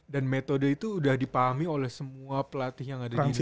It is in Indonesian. dan metode itu udah dipahami oleh semua pelatih yang ada di indonesia